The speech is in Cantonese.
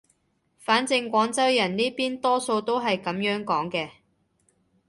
反正廣州人呢邊多數係噉樣講嘅